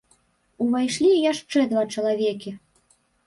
Увайшлі яшчэ два чалавекі.